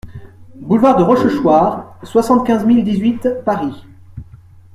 Boulevard de Rochechouart, soixante-quinze mille dix-huit Paris